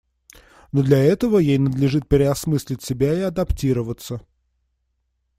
Но для этого ей надлежит переосмыслить себя и адаптироваться.